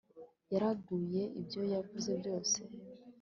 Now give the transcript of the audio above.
yagaruye ibyo yavuze byose